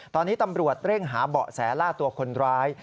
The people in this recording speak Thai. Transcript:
ตอนนี้ตำรวจเร่งหาเบาะแสล่าตัวคนร้าย